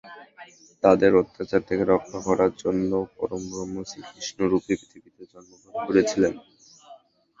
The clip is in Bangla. তাঁদের অত্যাচার থেকে রক্ষা করার জন্য পরমব্রহ্ম শ্রীকৃষ্ণরূপে পৃথিবীতে জন্মগ্রহণ করেছিলেন।